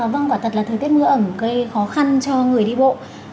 vâng quả thật là thời tiết mưa ẩm gây khó khăn cho người đi bộ